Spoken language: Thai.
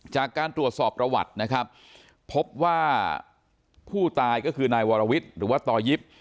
จากการตรวจสอบประวัตินะครับพบว่าผู้ตายก็คือนายวรวิทย์หรือว่าต่อยิป